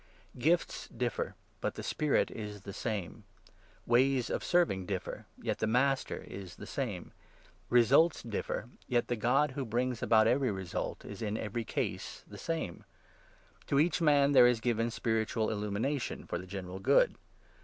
Gifts differ, but the Spirit is the same ; ways of serving 4, ( differ, yet the Master is the same ; results differ, yet the God 6 who brings about every result is in every case the same. To 7 each man there is given spiritual illumination for the general good.